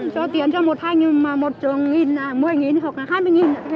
cho tiền cho một hai một trường nghìn một mươi nghìn hoặc là hai mươi nghìn